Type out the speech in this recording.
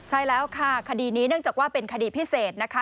ใช่แล้วค่ะคดีนี้เนื่องจากว่าเป็นคดีพิเศษนะคะ